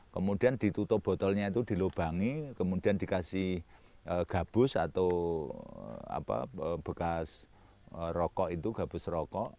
kemudian ditutup botolnya itu dilubangi kemudian dikasih gabus atau bekas rokok itu gabus rokok